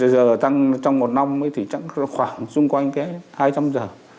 giờ tăng trong một năm thì khoảng xung quanh cái hai trăm linh giờ